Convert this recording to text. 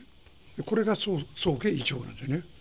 これが総計１億なんですね。